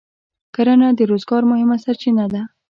کرنه د روزګار مهمه سرچینه ده.